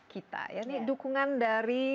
kita ini dukungan dari